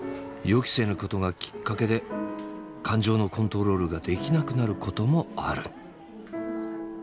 予期せぬことがきっかけで感情のコントロールができなくなることもある。